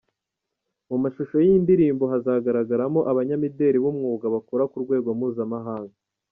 Mu mashusho y’iyi ndirimbo hazagaragaramo abanyamideli b’umwuga bakora ku rwego mpuzamahanga.